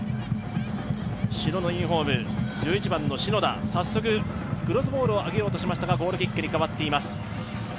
白のユニフォーム、１１番の篠田、早速、クロスボールを上げようとしましたがゴールキックに変わっています。